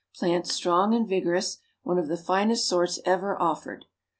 Plants strong and vigorous; one of the finest sorts ever offered."